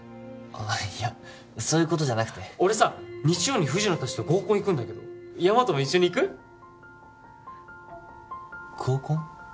あいやそういうことじゃなくて俺さ日曜に藤野達と合コン行くんだけどヤマトも一緒に行く？合コン？